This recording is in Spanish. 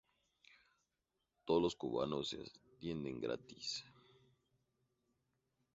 Todos los cubanos se atienden gratis.